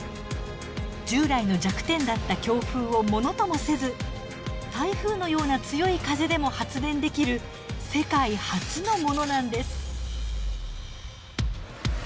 従来の弱点だった強風をものともせず台風のような強い風でも発電できる世界初のものなんです。